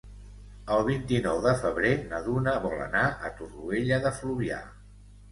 El vint-i-nou de febrer na Duna vol anar a Torroella de Fluvià.